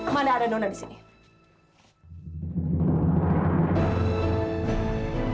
mana ada nona disini